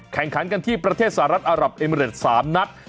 แข่งขันกันที่ประเทศสหรัฐอารับเอมิเรต๓นัด